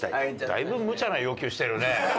だいぶむちゃな要求してるね。